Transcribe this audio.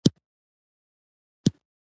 افغانستان د قانوني نظام لرونکی وي.